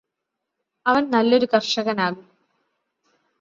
അവൻ നല്ലൊരു കര്ഷകന് ആകും